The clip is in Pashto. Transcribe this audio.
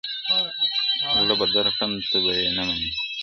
زړه به درکوم ته به یې نه منې؛